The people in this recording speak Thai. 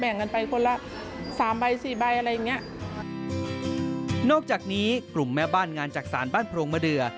นอกจากนี้กลุ่มแม่บ้านงานจากสารบ้านโพรงมาเรือ